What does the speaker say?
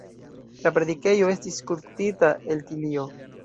La predikejo estis skulptita el tilio.